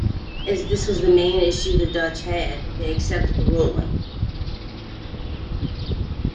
As this was the main issue the Dutch had, they accepted the ruling.